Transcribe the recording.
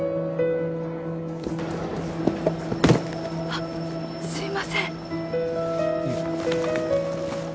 あっすいません